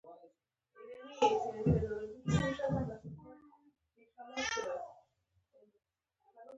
بل کار یې دا وکړ چې د لښکر دواړو خواوو کې یې تغیرات راوستل.